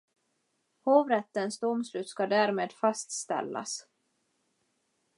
Hovrättens domslut ska därmed fastställas.